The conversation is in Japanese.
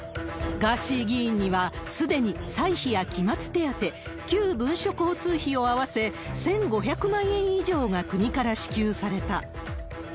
ガーシー議員には、すでに歳費や期末手当、旧文書交通費を合わせ、１５００万円以上が国から支給された。